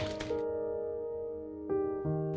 cantik kan gelangnya